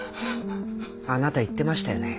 あなた言ってましたよね。